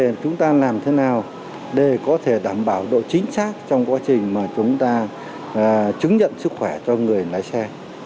nên chúng ta làm thế nào để có thể đảm bảo độ chính xác trong quá trình mà chúng ta chứng nhận sức khỏe cho người lái xe